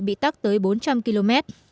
bị tắt tới bốn triệu người